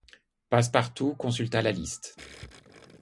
Passepartout consulta la liste…